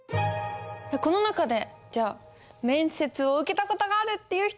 この中でじゃあ面接を受けた事があるっていう人！